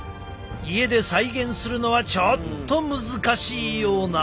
家で再現するのはちょっと難しいような。